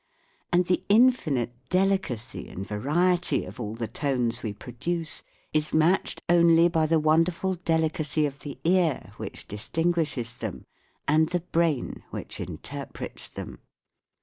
And the infinite delicacy and variety of all the tones we produce is matched only by the wonderful delicacy of the ear which distinguishes them and the l>rain which interprets them.